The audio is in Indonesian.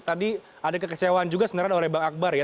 tadi ada kekecewaan juga sebenarnya oleh bang akbar ya